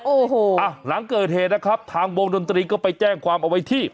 โอ้โหอ่ะหลังเกิดเหตุนะครับทางวงดนตรีก็ไปแจ้งความเอาไว้ที่